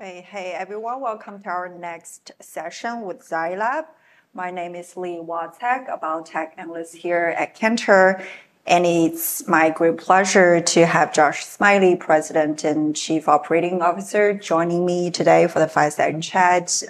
... Hey, hey, everyone. Welcome to our next session with Zai Lab. My name is Li Watsek, a biotech analyst here at Cantor, and it's my great pleasure to have Josh Smiley, President and Chief Operating Officer, joining me today for the fireside chat.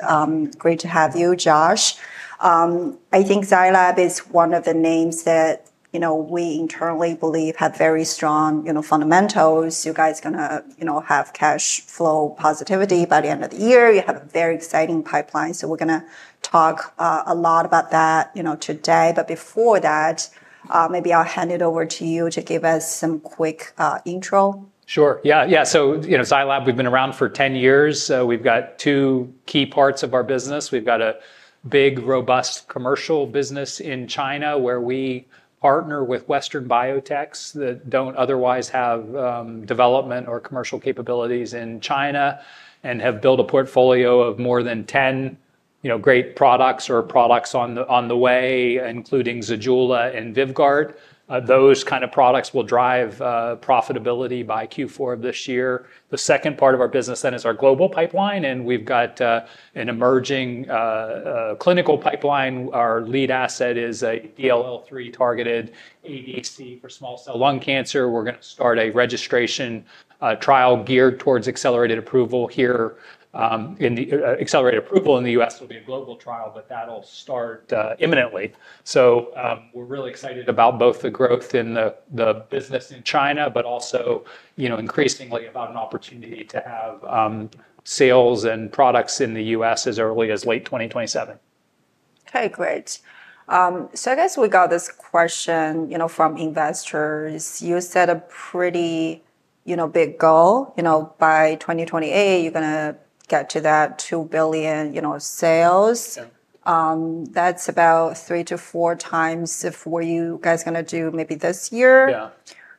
Great to have you, Josh. I think Zai Lab is one of the names that, you know, we internally believe have very strong, you know, fundamentals. You guys gonna, you know, have cash flow positivity by the end of the year. You have a very exciting pipeline. So we're gonna talk a lot about that, you know, today. But before that, maybe I'll hand it over to you to give us some quick intro. Sure, yeah. Yeah, so, you know, Zai Lab, we've been around for 10 years. So we've got two key parts of our business. We've got a big, robust commercial business in China, where we partner with Western biotechs that don't otherwise have development or commercial capabilities in China and have built a portfolio of more than 10, you know, great products or products on the way, including ZEJULA and VYVGART. Those kind of products will drive profitability by Q4 of this year. The second part of our business, then, is our global pipeline, and we've got an emerging clinical pipeline. Our lead asset is a DLL3-targeted ADC for small cell lung cancer. We're gonna start a registration trial geared towards accelerated approval here, in the accelerated approval in the U.S. It'll be a global trial, but that'll start imminently. We're really excited about both the growth in the business in China, but also, you know, increasingly about an opportunity to have sales and products in the U.S. as early as late 2027. Okay, great. So I guess we got this question, you know, from investors. You set a pretty, you know, big goal. You know, by 2028, you're gonna get to that $2 billion, you know, sales. That's about three to four times of what you guys gonna do maybe this year. Yeah.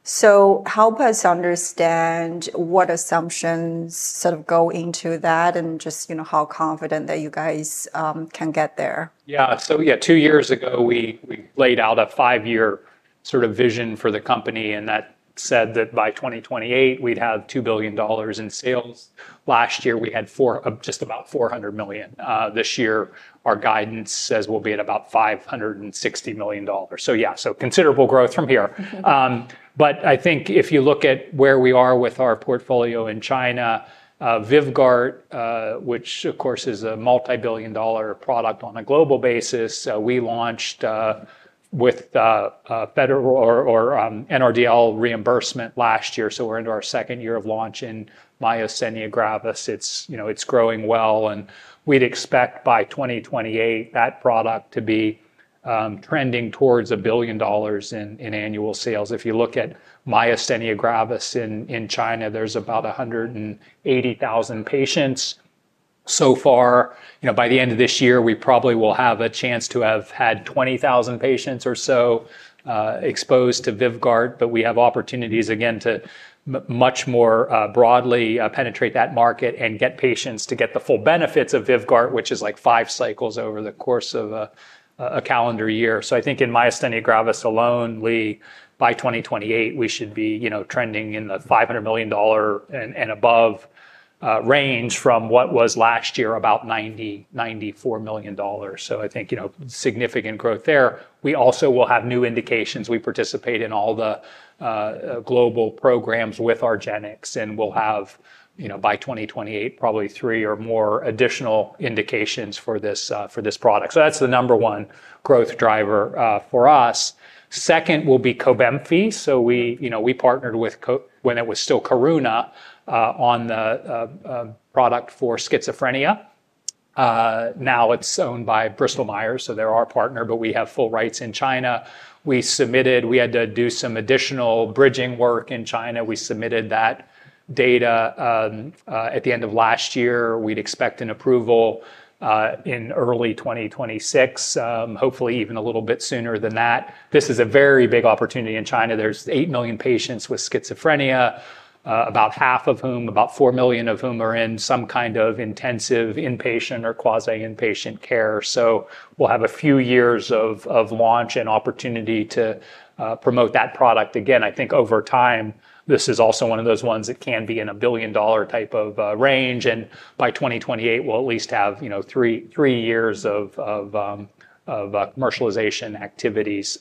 So help us understand what assumptions sort of go into that and just, you know, how confident that you guys can get there. Yeah. So yeah, two years ago, we laid out a five-year sort of vision for the company, and that said that by 2028, we'd have $2 billion in sales. Last year, we had just about $400 million. This year, our guidance says we'll be at about $560 million. So yeah, so considerable growth from here. But I think if you look at where we are with our portfolio in China, VYVGART, which of course is a multi-billion-dollar product on a global basis, we launched with NRDL reimbursement last year. So we're into our second year of launch in myasthenia gravis. It's, you know, it's growing well, and we'd expect by 2028, that product to be trending towards $1 billion in annual sales. If you look at myasthenia gravis in China, there's about 180,000 patients so far. You know, by the end of this year, we probably will have a chance to have had 20,000 patients or so, exposed to VYVGART, but we have opportunities again to much more broadly penetrate that market and get patients to get the full benefits of VYVGART, which is like five cycles over the course of a calendar year. So I think in myasthenia gravis alone, Li, by 2028, we should be, you know, trending in the $500 million and above range from what was last year, about ninety-four million dollars. So I think, you know, significant growth there. We also will have new indications. We participate in all the global programs with our Argenx, and we'll have, you know, by 2028, probably three or more additional indications for this product. So that's the number one growth driver for us. Second will be COBENFY. So we, you know, we partnered with Karuna when it was still Karuna on the product for schizophrenia. Now it's owned by Bristol Myers, so they're our partner, but we have full rights in China. We had to do some additional bridging work in China. We submitted that data at the end of last year. We'd expect an approval in early 2026, hopefully, even a little bit sooner than that. This is a very big opportunity in China. There's eight million patients with schizophrenia, about half of whom, about four million of whom are in some kind of intensive inpatient or quasi-inpatient care. So we'll have a few years of launch and opportunity to promote that product. Again, I think over time, this is also one of those ones that can be in a billion-dollar type of range, and by 2028, we'll at least have, you know, three years of commercialization activities.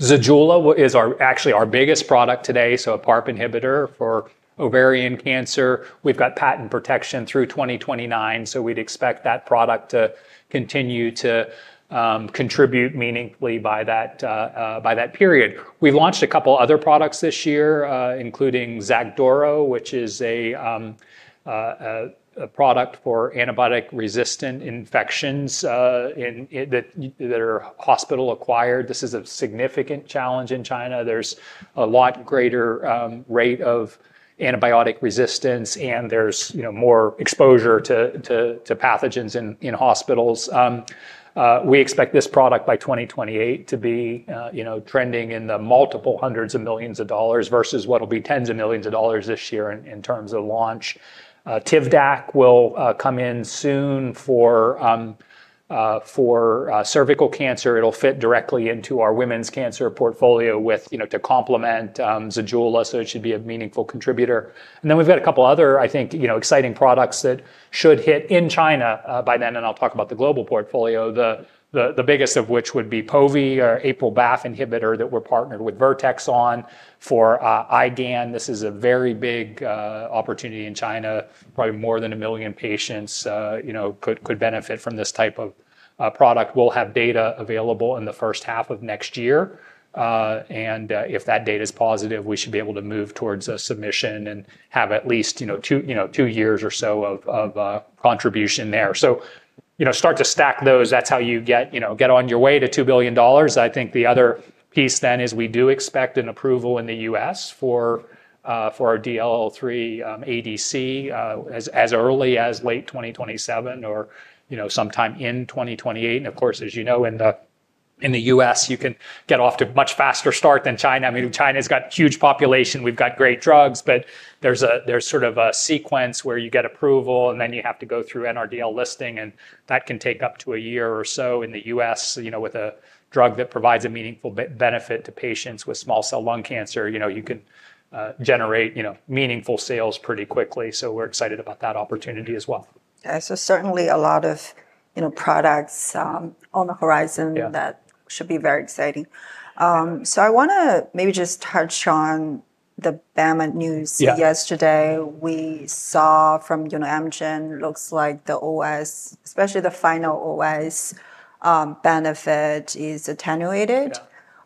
ZEJULA is our, actually our biggest product today, so a PARP inhibitor for ovarian cancer. We've got patent protection through 2029, so we'd expect that product to continue to contribute meaningfully by that period. We've launched a couple other products this year, including XACDURO, which is a product for antibiotic-resistant infections in that that are hospital-acquired. This is a significant challenge in China. There's a lot greater rate of antibiotic resistance, and there's, you know, more exposure to pathogens in hospitals. We expect this product by 2028 to be, you know, trending in the multiple hundreds of millions of dollars versus what will be tens of millions of dollars this year in terms of launch. TIVDAK will come in soon for cervical cancer. It'll fit directly into our women's cancer portfolio with, you know, to complement ZEJULA, so it should be a meaningful contributor, and then we've got a couple other, I think, you know, exciting products that should hit in China by then, and I'll talk about the global portfolio, the biggest of which would be POVI, our APRIL BAFF inhibitor that we're partnered with Vertex on for IgAN. This is a very big opportunity in China. Probably more than a million patients, you know, could benefit from this type of product. We'll have data available in the first half of next year. If that data is positive, we should be able to move towards a submission and have at least, you know, two years or so of contribution there. You know, start to stack those. That's how you get, you know, on your way to $2 billion. I think the other piece then is we do expect an approval in the U.S. for our DLL3 ADC as early as late 2027 or, you know, sometime in 2028. Of course, as you know, in the U.S., you can get off to a much faster start than China. I mean, China's got huge population, we've got great drugs, but there's sort of a sequence where you get approval, and then you have to go through an NRDL listing, and that can take up to a year or so in the U.S. You know, with a drug that provides a meaningful benefit to patients with small cell lung cancer, you know, you can generate, you know, meaningful sales pretty quickly. So we're excited about that opportunity as well. Yeah. So certainly a lot of, you know, products on the horizon that should be very exciting. So I wanna maybe just touch on the BEMA news. Yeah. Yesterday we saw from, you know, Amgen, looks like the OS, especially the final OS, benefit is attenuated.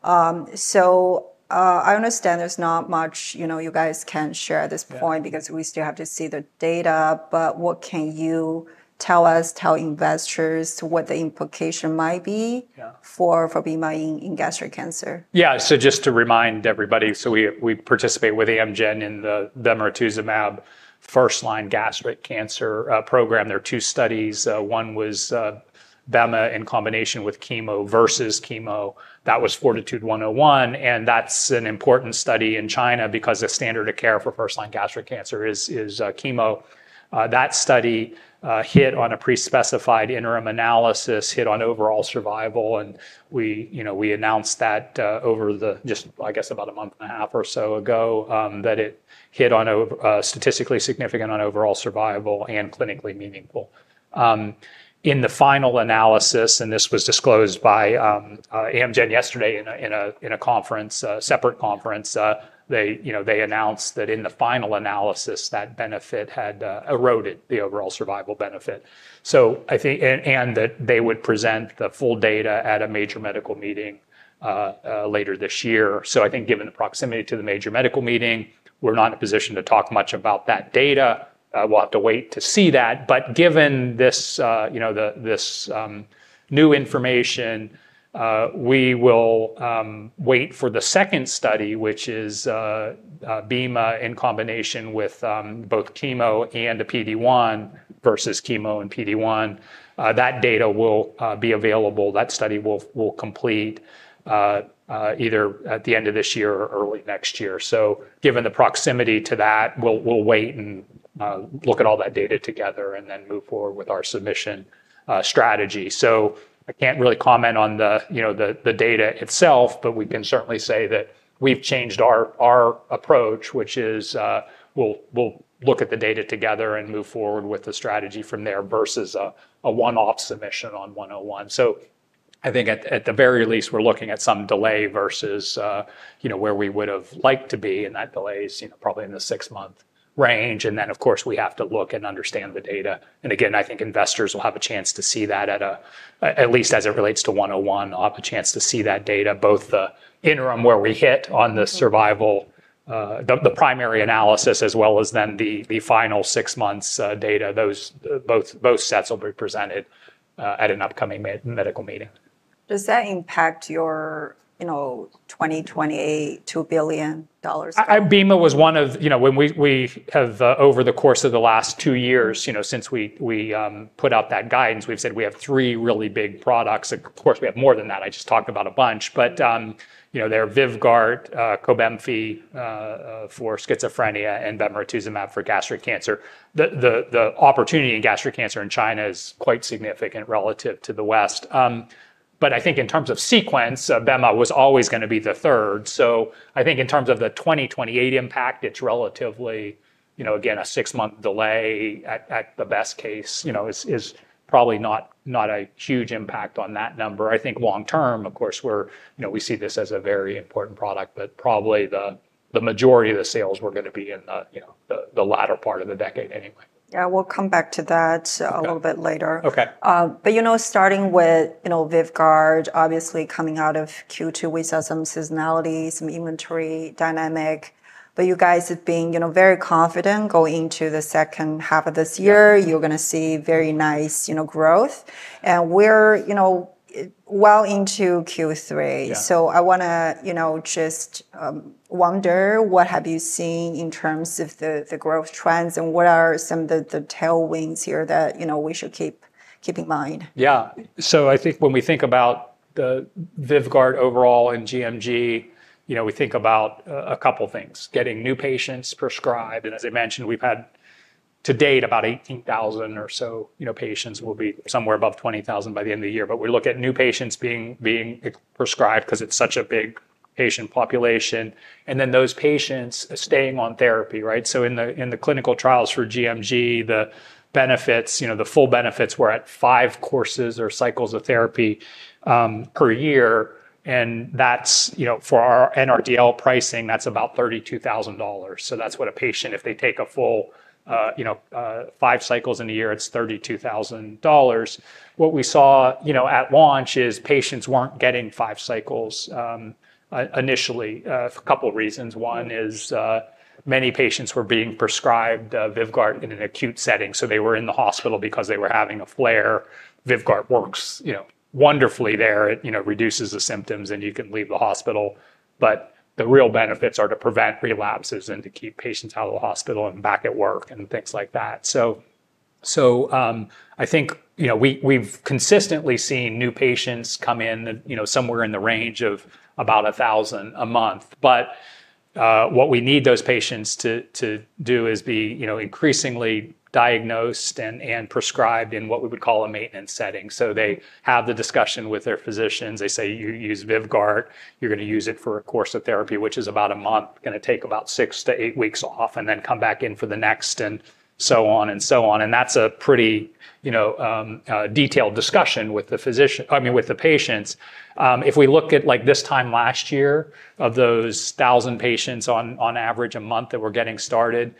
I understand there's not much, you know, you guys can share at this point. Because we still have to see the data, but what can you tell us? Tell investors what the implication might be- Yeah... for BEMA in gastric cancer? Yeah, so just to remind everybody, so we participate with Amgen in the bemarituzumab first-line gastric cancer program. There are two studies. One was BEMA in combination with chemo versus chemo. That was Fortitude-101, and that's an important study in China because the standard of care for first-line gastric cancer is chemo. That study hit on a pre-specified interim analysis, hit on overall survival, and we, you know, we announced that over the just, I guess, about a month and a half or so ago, that it hit on statistically significant on overall survival and clinically meaningful. In the final analysis, and this was disclosed by Amgen yesterday in a conference, separate conference, they announced that in the final analysis, that benefit had eroded the overall survival benefit. So I think and that they would present the full data at a major medical meeting later this year. So I think given the proximity to the major medical meeting, we're not in a position to talk much about that data. We'll have to wait to see that. But given this, you know, the, this new information, we will wait for the second study, which is BEMA in combination with both chemo and a PD-1 versus chemo and PD-1. That data will be available. That study will complete either at the end of this year or early next year. So given the proximity to that, we'll wait and look at all that data together and then move forward with our submission strategy. So I can't really comment on the, you know, the data itself, but we can certainly say that we've changed our approach, which is, we'll look at the data together and move forward with the strategy from there, versus a one-off submission on 101. So I think at the very least, we're looking at some delay versus, you know, where we would've liked to be, and that delay is, you know, probably in the six-month range. And then, of course, we have to look and understand the data. Again, I think investors will have a chance to see that at least as it relates to 101, have a chance to see that data, both the interim where we hit on the survival the primary analysis, as well as then the final six months data. Those sets will be presented at an upcoming medical meeting. Does that impact your, you know, 2028 $2 billion? BEMA was one of you know, when we have over the course of the last two years, you know, since we put out that guidance, we've said we have three really big products. Of course, we have more than that. I just talked about a bunch. But, you know, they're VYVGART, COBENFY, for schizophrenia, and bemarituzumab for gastric cancer. The opportunity in gastric cancer in China is quite significant relative to the West. But I think in terms of sequence, BEMA was always gonna be the third. So I think in terms of the 2028 impact, it's relatively, you know, again, a six-month delay at the best case. You know, it's probably not a huge impact on that number. I think long-term, of course, we're, you know, we see this as a very important product, but probably the majority of the sales were gonna be in the, you know, the latter part of the decade anyway. Yeah, we'll come back to that a little bit later. Okay. But, you know, starting with, you know, VYVGART, obviously coming out of Q2, we saw some seasonality, some inventory dynamic. But you guys have been, you know, very confident going into the second half of this year. You're gonna see very nice, you know, growth. And we're, you know, well into Q3. Yeah. So I wanna, you know, just wonder, what have you seen in terms of the growth trends, and what are some of the tailwinds here that, you know, we should keep in mind? Yeah. So I think when we think about the VYVGART overall and gMG, you know, we think about a couple things: getting new patients prescribed, and as I mentioned, we've had to date about 18,000 or so, you know, patients. We'll be somewhere above 20,000 by the end of the year. But we look at new patients being prescribed 'cause it's such a big patient population, and then those patients staying on therapy, right? So in the clinical trials for gMG, the benefits, you know, the full benefits were at five courses or cycles of therapy per year, and that's, you know, for our NRDL pricing, that's about $32,000. So that's what a patient, if they take a full five cycles in a year, it's $32,000. What we saw, you know, at launch is patients weren't getting five cycles initially for a couple reasons. One is, many patients were being prescribed, VYVGART in an acute setting. So they were in the hospital because they were having a flare. VYVGART works, you know, wonderfully there. It, you know, reduces the symptoms, and you can leave the hospital. But the real benefits are to prevent relapses and to keep patients out of the hospital and back at work and things like that. So, I think, you know, we, we've consistently seen new patients come in, and, you know, somewhere in the range of about a thousand a month. But, what we need those patients to do is be, you know, increasingly diagnosed and prescribed in what we would call a maintenance setting. So they have the discussion with their physicians. They say, "You use VYVGART, you're gonna use it for a course of therapy, which is about a month. Gonna take about six to eight weeks off, and then come back in for the next," and so on and so on. And that's a pretty, you know, detailed discussion with the physician, I mean, with the patients. If we look at, like, this time last year, of those thousand patients on average a month that were getting started,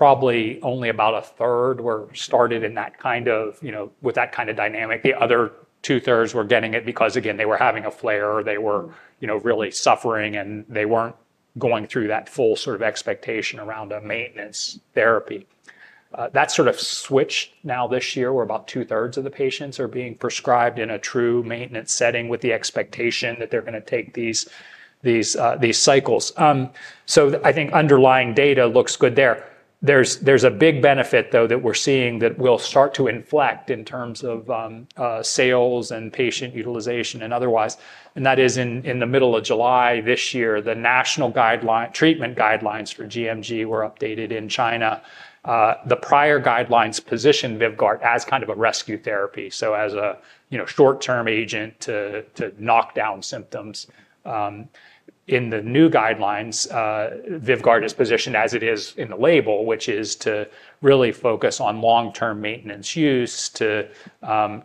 probably only about a third were started in that kind of, you know, with that kind of dynamic. The other two-thirds were getting it because, again, they were having a flare, or they were, you know, really suffering, and they weren't going through that full sort of expectation around a maintenance therapy. That sort of switched now this year, where about two-thirds of the patients are being prescribed in a true maintenance setting, with the expectation that they're gonna take these cycles. So I think underlying data looks good there. There's a big benefit, though, that we're seeing, that will start to inflect in terms of sales and patient utilization and otherwise, and that is in the middle of July this year, the national treatment guidelines for gMG were updated in China. The prior guidelines positioned VYVGART as kind of a rescue therapy, so as a, you know, short-term agent to knock down symptoms. In the new guidelines, VYVGART is positioned as it is in the label, which is to really focus on long-term maintenance use, to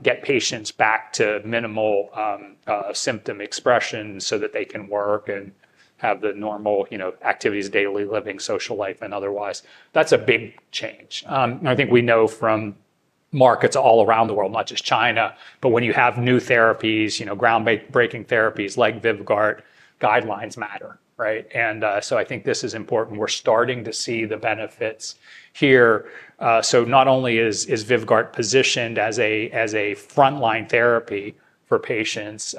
get patients back to minimal symptom expression, so that they can work and have the normal, you know, activities of daily living, social life, and otherwise. That's a big change. And I think we know from markets all around the world, not just China, but when you have new therapies, you know, groundbreaking therapies like VYVGART, guidelines matter, right? So I think this is important. We're starting to see the benefits here. So not only is VYVGART positioned as a frontline therapy for patients,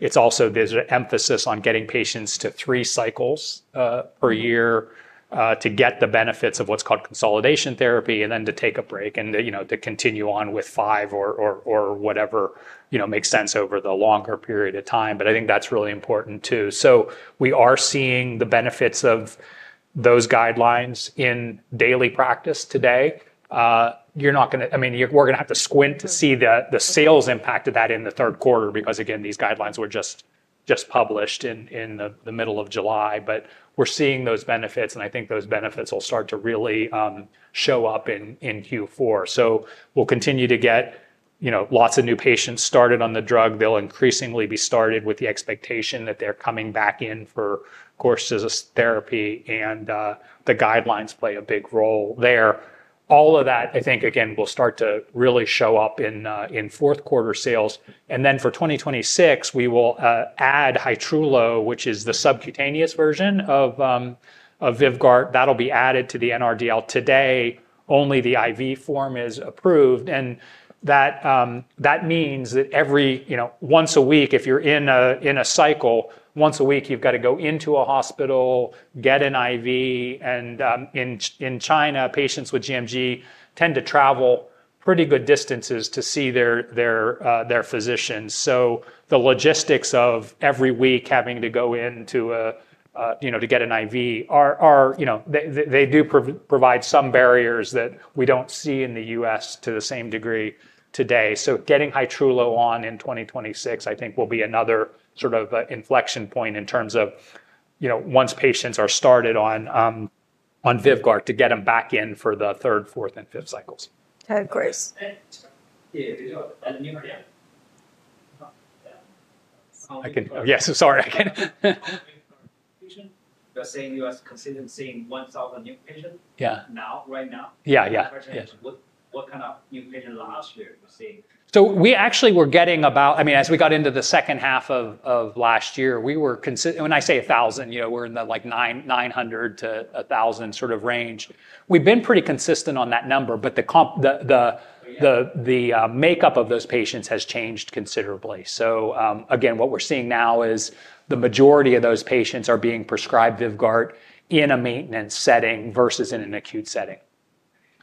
it's also, there's an emphasis on getting patients to three cycles per year to get the benefits of what's called consolidation therapy, and then to take a break, and, you know, to continue on with five or whatever, you know, makes sense over the longer period of time. But I think that's really important, too. So we are seeing the benefits of those guidelines in daily practice today. You're not gonna... I mean, we're gonna have to squint to see the sales impact of that in the third quarter because, again, these guidelines were just published in the middle of July. But we're seeing those benefits, and I think those benefits will start to really show up in Q4. So we'll continue to get, you know, lots of new patients started on the drug. They'll increasingly be started with the expectation that they're coming back in for courses of therapy, and the guidelines play a big role there. All of that, I think, again, will start to really show up in fourth quarter sales. And then for 2026, we will add Hytrulo, which is the subcutaneous version of VYVGART. That'll be added to the NRDL. Today, only the IV form is approved, and that means that every, you know, once a week, if you're in a cycle, once a week, you've got to go into a hospital, get an IV, and in China, patients with gMG tend to travel pretty good distances to see their physicians. So the logistics of every week having to go in to get an IV are, you know, they provide some barriers that we don't see in the U.S. to the same degree today. So getting Hytrulo on in 2026, I think, will be another sort of an inflection point in terms of, you know, once patients are started on VYVGART, to get them back in for the third, fourth, and fifth cycles. Okay, great. Yes, sorry, I can. You're saying you are consistently seeing 1,000 new patients- Yeah... now, right now? Yeah, yeah. My question is, what kind of new patient last year you are seeing? So we actually were getting about. I mean, as we got into the second half of last year, when I say a thousand, you know, we're in the, like, nine hundred to a thousand sort of range. We've been pretty consistent on that number, but the makeup of those patients has changed considerably. So, again, what we're seeing now is the majority of those patients are being prescribed VYVGART in a maintenance setting versus in an acute setting.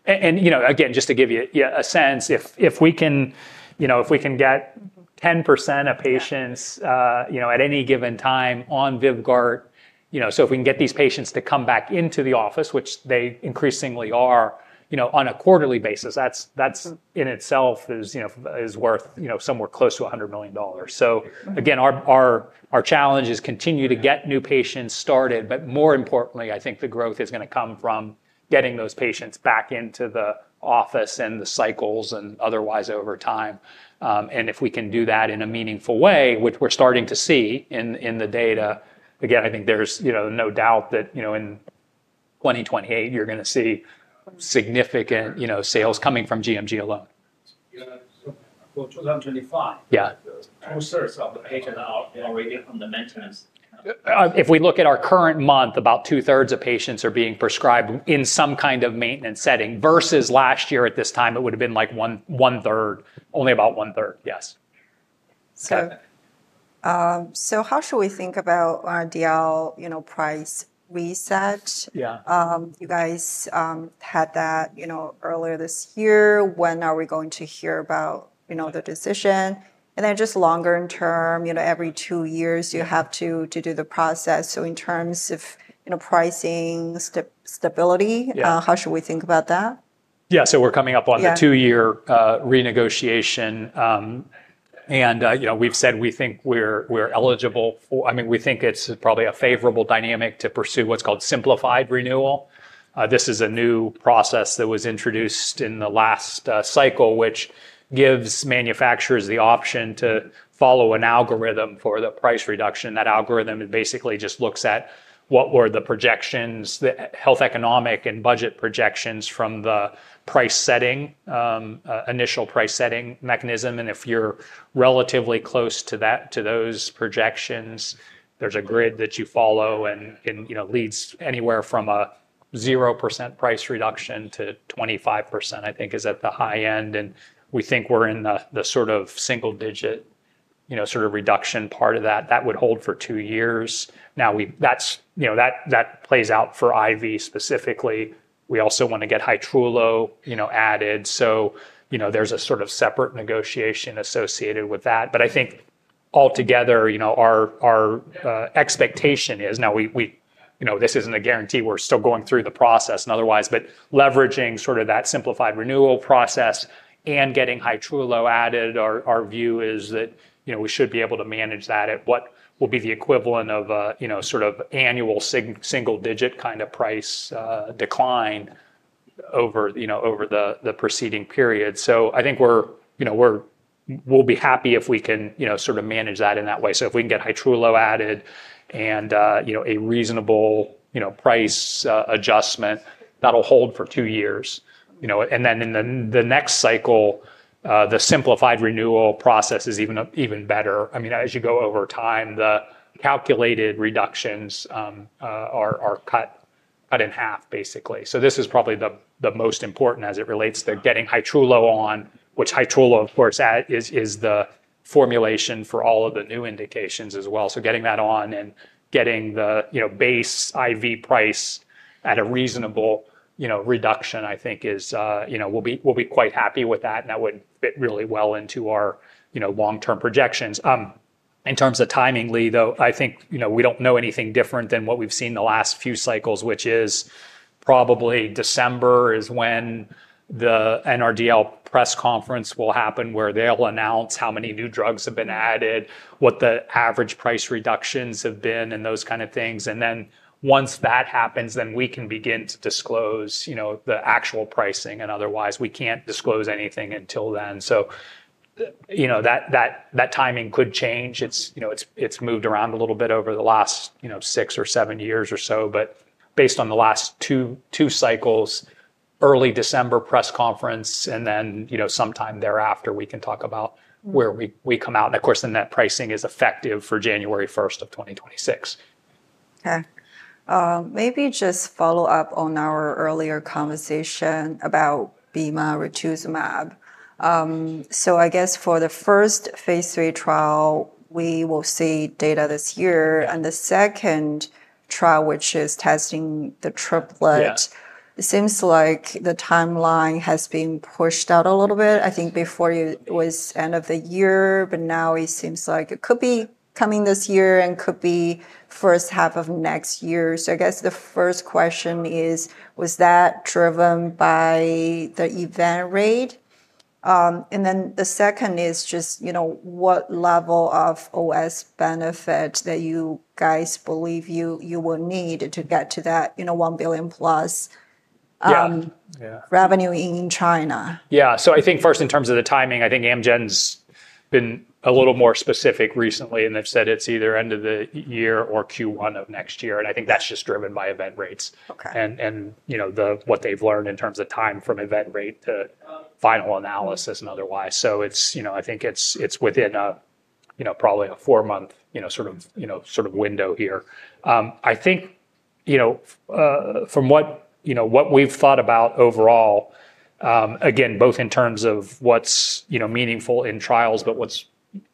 And, you know, again, just to give you a sense, if we can get 10% of patients you know, at any given time on VYVGART, you know. So if we can get these patients to come back into the office, which they increasingly are, you know, on a quarterly basis, that's in itself worth, you know, somewhere close to $100 million. So again, our challenge is continue to get new patients started, but more importantly, I think the growth is gonna come from getting those patients back into the office and the cycles and otherwise over time. And if we can do that in a meaningful way, which we're starting to see in the data, again, I think there's, you know, no doubt that, you know, in twenty twenty-eight you're gonna see significant, you know, sales coming from gMG alone. Yeah, so for two thousand and twenty-five- Yeah... two-thirds of the patients are already on the maintenance. If we look at our current month, about two-thirds of patients are being prescribed in some kind of maintenance setting, versus last year at this time, it would've been, like, one-third, only about one-third, yes.... So, how should we think about our NRDL, you know, price reset? Yeah. You guys had that, you know, earlier this year. When are we going to hear about, you know, the decision? And then just longer-term, you know, every two years you have to do the process. So in terms of, you know, pricing stability- Yeah... how should we think about that? Yeah, so we're coming up on- Yeah... the two-year renegotiation. And, you know, we've said we think we're eligible for... I mean, we think it's probably a favorable dynamic to pursue what's called simplified renewal. This is a new process that was introduced in the last cycle, which gives manufacturers the option to follow an algorithm for the price reduction. That algorithm, it basically just looks at what were the projections, the health, economic, and budget projections from the price setting initial price setting mechanism. And if you're relatively close to those projections, there's a grid that you follow and you know leads anywhere from a 0% price reduction to 25%, I think is at the high end. And we think we're in the sort of single-digit, you know, sort of reduction part of that. That would hold for two years. Now, that's, you know, that plays out for IV specifically. We also want to get Hytrulo, you know, added, so, you know, there's a sort of separate negotiation associated with that. But I think altogether, you know, our expectation is. You know, this isn't a guarantee. We're still going through the process and otherwise, but leveraging sort of that simplified renewal process and getting Hytrulo added, our view is that, you know, we should be able to manage that at what will be the equivalent of a, you know, sort of annual single-digit kind of price decline over, you know, over the preceding period. So I think we're, you know, we'll be happy if we can, you know, sort of manage that in that way. If we can get Hytrulo added and, you know, a reasonable, you know, price adjustment, that'll hold for two years, you know. And then in the next cycle, the simplified renewal process is even better. I mean, as you go over time, the calculated reductions are cut in half, basically. This is probably the most important as it relates to getting Hytrulo on, which Hytrulo, of course, is the formulation for all of the new indications as well. Getting that on and getting the base IV price at a reasonable, you know, reduction, I think is, you know, we'll be quite happy with that, and that would fit really well into our, you know, long-term projections. In terms of timing, Lee, though, I think, you know, we don't know anything different than what we've seen the last few cycles, which is probably December, when the NRDL press conference will happen, where they'll announce how many new drugs have been added, what the average price reductions have been, and those kind of things. And then once that happens, then we can begin to disclose, you know, the actual pricing, and otherwise we can't disclose anything until then. So, you know, that timing could change. It's, you know, moved around a little bit over the last, you know, six or seven years or so. But based on the last two cycles, early December press conference, and then, you know, sometime thereafter, we can talk about where we come out. Of course, the net pricing is effective for January 1st of 2026. Okay. Maybe just follow up on our earlier conversation about bema or trastuzumab. So I guess for the first phase 3 trial, we will see data this year, and the second trial, which is testing the triplet- Yeah... it seems like the timeline has been pushed out a little bit. I think before it was end of the year, but now it seems like it could be coming this year and could be first half of next year. So I guess the first question is: Was that driven by the event rate? And then the second is just, you know, what level of OS benefit that you guys believe you will need to get to that, you know, one billion-plus- Yeah, yeah... revenue in China? Yeah. So I think first, in terms of the timing, I think Amgen's been a little more specific recently, and they've said it's either end of the year or Q1 of next year, and I think that's just driven by event rates. Okay. You know what they've learned in terms of time from event rate to final analysis and otherwise. It's, you know, I think it's within a, you know, probably a four-month, you know, sort of window here. I think, you know, from what we've thought about overall, again, both in terms of what's, you know, meaningful in trials, but what's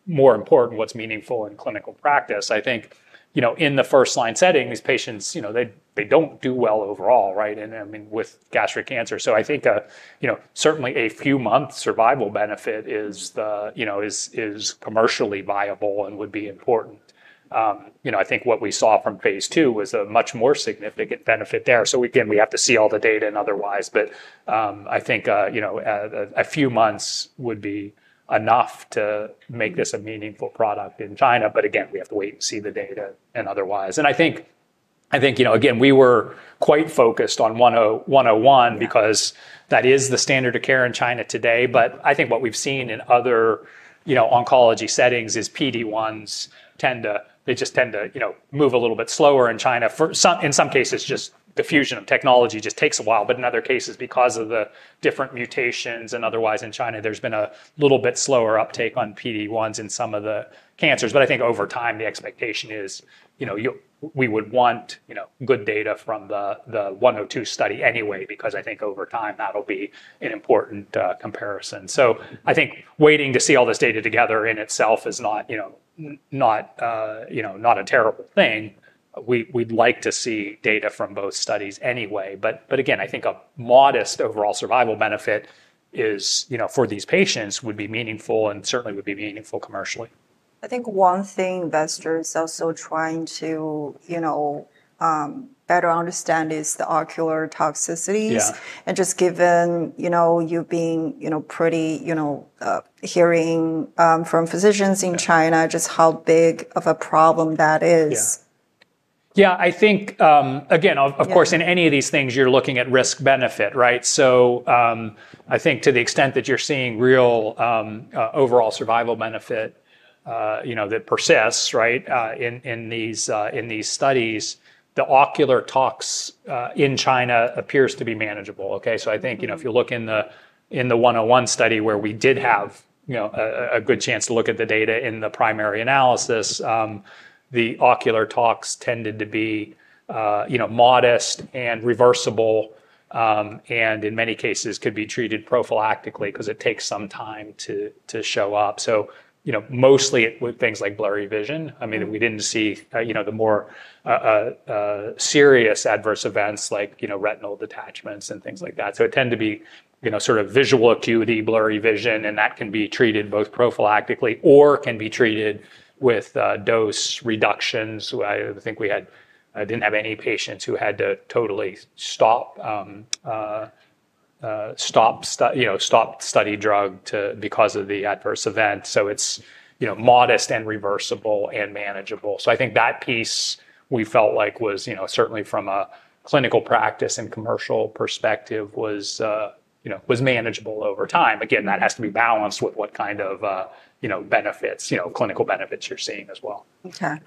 more important, what's meaningful in clinical practice. I think, you know, in the first line setting, these patients, you know, they don't do well overall, right? I mean, with gastric cancer. I think, you know, certainly a few months' survival benefit is, you know, commercially viable and would be important. I think what we saw from phase 2 was a much more significant benefit there. So again, we have to see all the data and otherwise, but I think, you know, a few months would be enough to make this a meaningful product in China. But again, we have to wait and see the data and otherwise. And I think, you know, again, we were quite focused on 10-101. Because that is the standard of care in China today. But I think what we've seen in other, you know, oncology settings is PD-1s tend to they just tend to, you know, move a little bit slower in China. For some, in some cases, just diffusion of technology just takes a while, but in other cases, because of the different mutations and otherwise, in China, there's been a little bit slower uptake on PD-1s in some of the cancers, but I think over time, the expectation is, you know, we would want, you know, good data from the, the one or two study anyway, because I think over time, that'll be an important comparison. So I think waiting to see all this data together in itself is not, you know, not a terrible thing. We'd like to see data from both studies anyway. But again, I think a modest overall survival benefit is, you know, for these patients, would be meaningful and certainly would be meaningful commercially. I think one thing investors are also trying to, you know, better understand is the ocular toxicities. Yeah. And just given, you know, you being, you know, pretty, you know, hearing from physicians in China just how big of a problem that is. Yeah. Yeah, I think, again- Yeah... of course, in any of these things, you're looking at risk-benefit, right? So, I think to the extent that you're seeing real overall survival benefit, you know, that persists, right? In these studies, the ocular tox in China appears to be manageable, okay? So I think, you know, if you look in the one oh one study, where we did have, you know, a good chance to look at the data in the primary analysis, the ocular tox tended to be, you know, modest and reversible, and in many cases, could be treated prophylactically 'cause it takes some time to show up. So, you know, mostly it with things like blurry vision. I mean, we didn't see, you know, the more serious adverse events like, you know, retinal detachments and things like that. So it tend to be, you know, sort of visual acuity, blurry vision, and that can be treated both prophylactically or can be treated with dose reductions. Well, I think I didn't have any patients who had to totally stop, you know, stop study drug to because of the adverse event. So it's, you know, modest and reversible and manageable. So I think that piece, we felt like was, you know, certainly from a clinical practice and commercial perspective, was, you know, was manageable over time. Again, that has to be balanced with what kind of, you know, benefits, you know, clinical benefits you're seeing as well. Okay.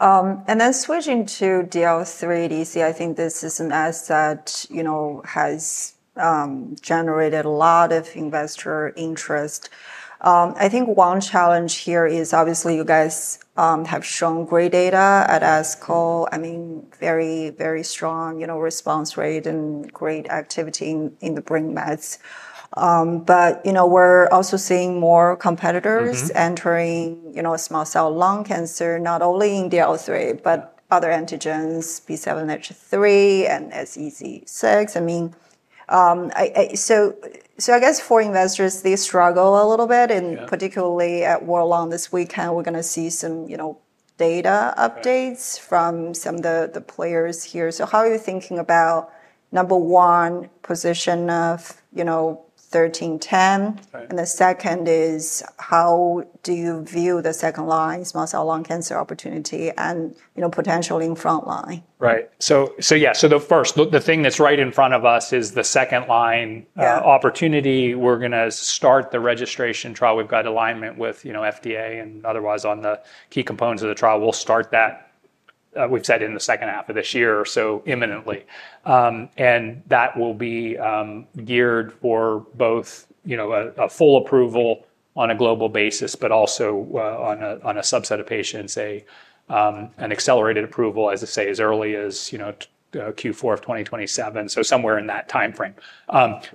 And then switching to DLL3 ADC, I think this is an asset, you know, has generated a lot of investor interest. I think one challenge here is, obviously, you guys have shown great data at ASCO. I mean, very, very strong, you know, response rate and great activity in the brain mets. But, you know, we're also seeing more competitors entering, you know, small cell lung cancer, not only in DLL3 but other antigens, B7-H3 and SEZ6. I mean, So I guess for investors, they struggle a little bit- Yeah... and particularly at World Lung this weekend, we're gonna see some, you know, data updates from some of the players here. So how are you thinking about, number one, position of, you know, 1310? Okay. And the second is: How do you view the second line small cell lung cancer opportunity and, you know, potentially in front line? Right. So yeah, the first thing that's right in front of us is the second line- Yeah... opportunity. We're gonna start the registration trial. We've got alignment with, you know, FDA and otherwise on the key components of the trial. We'll start that, we've said in the second half of this year, so imminently. And that will be geared for both, you know, a full approval on a global basis, but also, on a subset of patients, an accelerated approval, as I say, as early as, you know, Q4 of 2027. So somewhere in that time frame.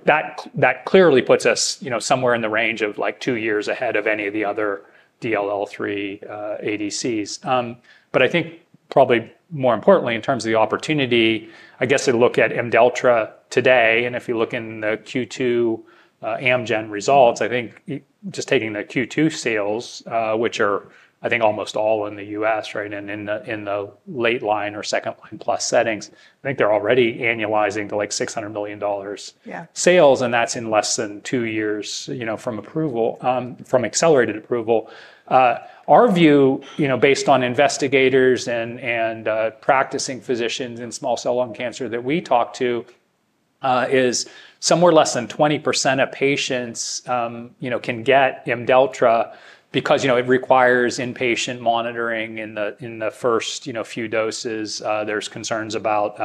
That clearly puts us, you know, somewhere in the range of, like, two years ahead of any of the other DLL3 ADCs. But I think probably more importantly, in terms of the opportunity, I guess if you look at Imdeltra today, and if you look in the Q2 Amgen results, I think just taking the Q2 sales, which are, I think, almost all in the U.S., right? And in the late line or second line plus settings, I think they're already annualizing to, like, $600 million Yeah... sales, and that's in less than two years, you know, from approval, from accelerated approval. Our view, you know, based on investigators and practicing physicians in small cell lung cancer that we talked to, is somewhere less than 20% of patients, you know, can get Imdeltra because, you know, it requires inpatient monitoring in the first, you know, few doses. There's concerns about,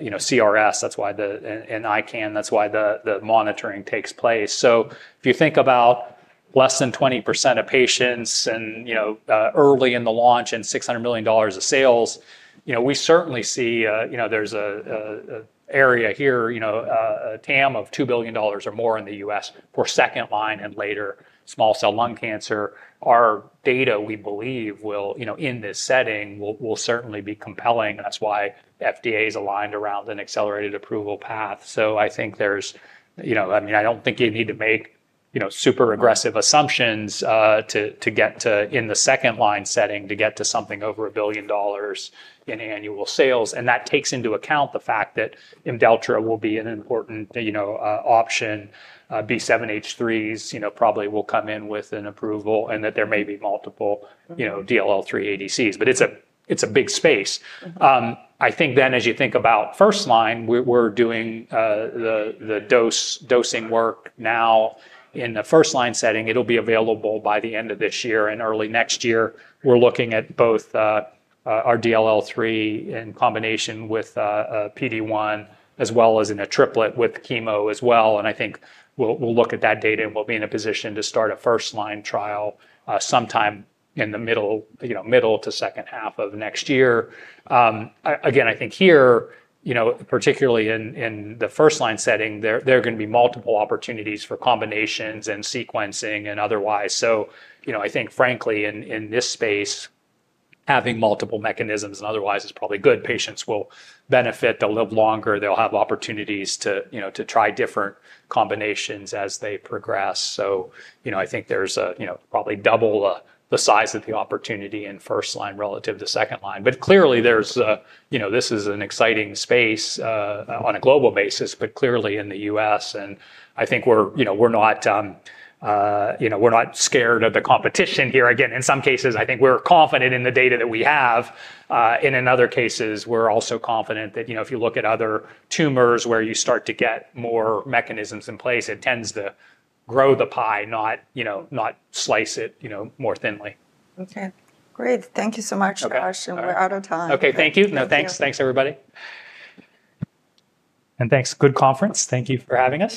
you know, CRS, that's why the and ICAN, that's why the monitoring takes place. So if you think about less than 20% of patients and, you know, early in the launch and $600 million of sales, you know, we certainly see, you know, there's an area here, you know, a TAM of $2 billion or more in the US for second line and later small cell lung cancer. Our data, we believe, will, you know, in this setting, will certainly be compelling, and that's why FDA is aligned around an accelerated approval path. So I think there's. You know, I mean, I don't think you need to make, you know, super aggressive assumptions, to get to, in the second line setting, to get to something over $1 billion in annual sales, and that takes into account the fact that Imdeltra will be an important, you know, option. B7-H3's, you know, probably will come in with an approval, and that there may be multiple, you know, DLL3 ADCs, but it's a, it's a big space. I think then, as you think about first line, we're doing the dosing work now in the first line setting. It'll be available by the end of this year and early next year. We're looking at both our DLL3 in combination with a PD-1, as well as in a triplet with chemo as well, and I think we'll look at that data, and we'll be in a position to start a first line trial sometime in the middle, you know, middle to second half of next year. Again, I think here, you know, particularly in the first line setting, there are gonna be multiple opportunities for combinations and sequencing and otherwise. So, you know, I think frankly, in this space, having multiple mechanisms and otherwise is probably good. Patients will benefit. They'll live longer. They'll have opportunities to, you know, to try different combinations as they progress, so you know, I think there's a you know, probably double the size of the opportunity in first line relative to second line, but clearly, there's a you know, this is an exciting space on a global basis, but clearly in the U.S., and I think we're you know, we're not you know, we're not scared of the competition here. Again, in some cases, I think we're confident in the data that we have and in other cases, we're also confident that you know, if you look at other tumors where you start to get more mechanisms in place, it tends to grow the pie, not you know, not slice it you know, more thinly. Okay, great. Thank you so much, Josh. Okay. We're out of time. Okay, thank you. Yeah, thank you. No, thanks. Thanks, everybody, and thanks. Good conference. Thank you for having us.